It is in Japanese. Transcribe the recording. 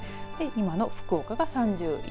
今の福岡が３１．１度。